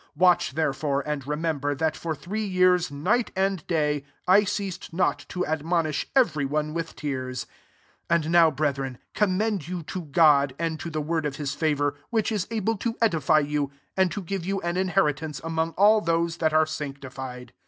31 Watch therefore, and remember, that for three years, night and day, I ceased not to j admonish every one with tears.' 32 '* And now, [brethren,] I commend you to God, and to the word of his favour, which b able to edify you, and to give you an inli^itance among aU those that are sanctified.